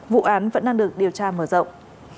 vụ án vẫn đang được điều tra mở rộng